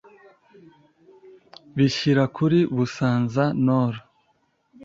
Bishyira kuri Busanza-Nord